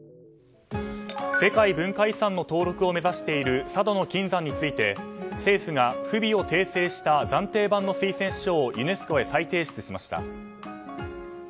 世界文化遺産の登録を目指している佐渡島の金山について政府が不備を訂正した暫定版の推薦書をユネスコへ再提出しました。